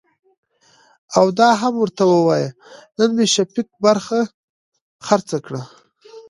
او دا هم ورته وايه نن مې شفيق برخه خرڅه کړه .